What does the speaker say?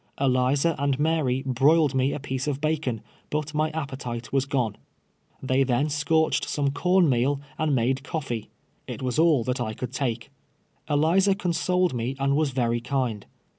Eliza and Mary broiled me a piece of bacon, but my appetite was gone. Then they scorched some corn meal and made coffee. It was all that I could take. Eliza consoled me and was very kind.